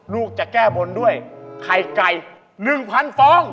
ลูกจะแก้บนด้วยไข่ไก่หนึ่งพันฟอง